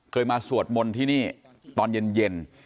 เคยมาสวดมนต์ที่นี่ตอนเย็น